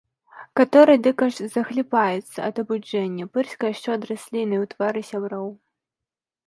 Каторы дык аж захліпаецца ад абуджэння, пырскае шчодра слінай у твары сяброў.